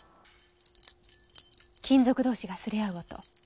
金属同士が擦れ合う音。